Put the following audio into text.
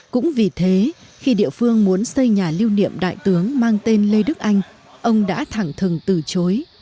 cũng vì thế khi địa phương muốn xây nhà lưu niệm đại tướng mang tên lê đức anh ông đã thẳng thừng từ chối